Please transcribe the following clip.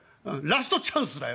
ラストチャンスだよ？